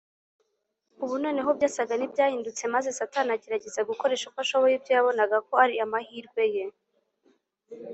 Ubu noneho byasaga n’ibyahindutse, maze Satani agerageza gukoresha uko ashoboye ibyo yabonaga ko ari amahirwe ye.